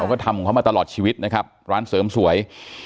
ก็ทำของเขามาตลอดชีวิตนะครับร้านเสริมสวย